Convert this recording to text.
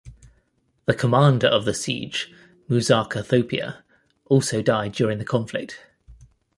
The commander of the siege, Muzaka Thopia, also died during the conflict.